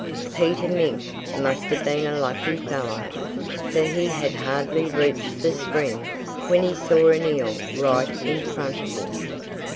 Peter Mink must have been a lucky fellow. For he had hardly reached the spring when he saw an eel right in front of him.